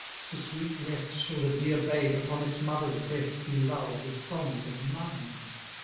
To sweet rest Shall the dear babe, upon its mother's breast, Be lull'd with songs of mine.